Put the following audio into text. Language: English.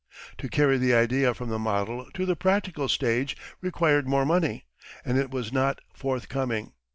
To carry the idea from the model to the practical stage required more money, and it was not forthcoming.